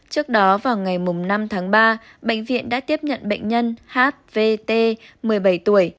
trước đó vào ngày năm tháng ba bệnh viện đã tiếp nhận bệnh nhân h v t một mươi bảy tuổi